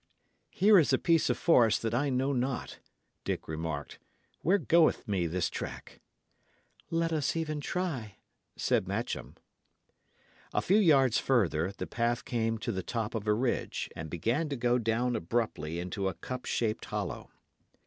"Here is a piece of forest that I know not," Dick remarked. "Where goeth me this track?" "Let us even try," said Matcham. A few yards further, the path came to the top of a ridge and began to go down abruptly into a cup shaped hollow.